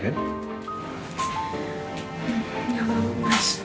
gak mau mas